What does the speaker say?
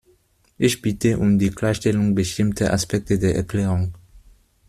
Ich bitte um die Klarstellung bestimmter Aspekte der Erklärung.